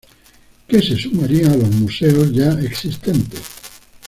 Que se sumarían a los museos ya existentes.